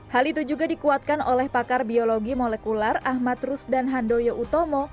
hal itu juga dikuatkan oleh pakar biologi molekular ahmad rus dan handoyo utomo